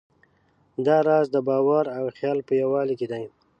دا راز د باور او خیال په یووالي کې دی.